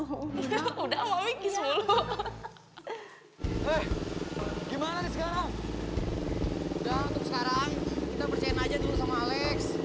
udah untuk sekarang kita percayain aja dulu sama alex